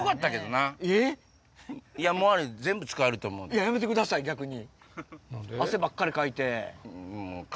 えっ⁉やめてください逆に。